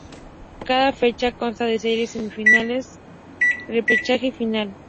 Cada fecha consta de series, semifinales, repechaje y final.